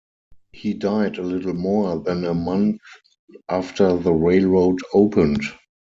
He died a little more than a month after the railroad opened.